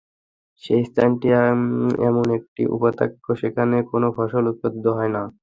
সে স্থানটি এমন একটি উপত্যকা, যেখানে কোন ফসল উৎপাদিত হয় না।